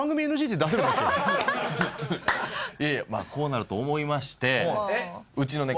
いやいやまあこうなると思いまして。